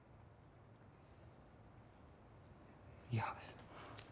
いや。